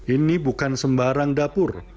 ini bukan sembarang dapur